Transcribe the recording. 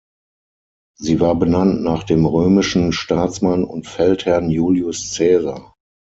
Sie war benannt nach dem römischen Staatsmann und Feldherrn Julius Caesar.